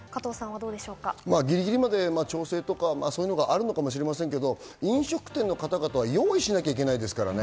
ぎりぎりまで調整とかあるのかもしれませんけど、飲食店の方々は用意しなきゃいけないですからね。